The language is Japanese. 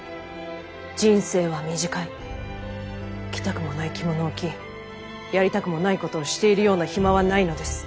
人生は短い着たくもない着物を着やりたくもないことをしているような暇はないのです。